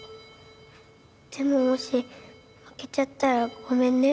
でももし負けちゃったらごめんね。